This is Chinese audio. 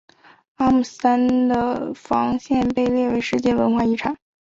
阿姆斯特丹的防线被列为世界文化遗产。